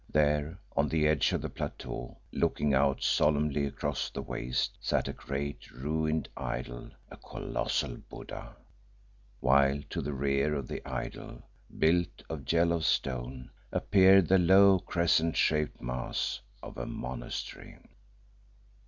There, on the edge of the plateau, looking out solemnly across the waste, sat a great ruined idol, a colossal Buddha, while to the rear of the idol, built of yellow stone, appeared the low crescent shaped mass of a monastery.